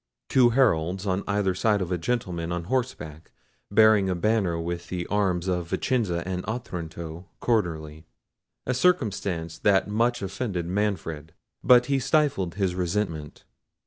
Two heralds on each side of a gentleman on horseback bearing a banner with the arms of Vicenza and Otranto quarterly—a circumstance that much offended Manfred—but he stifled his resentment.